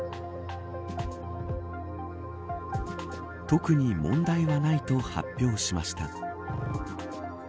特に問題はないと発表しました。